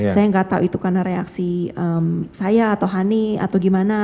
saya nggak tahu itu karena reaksi saya atau honey atau gimana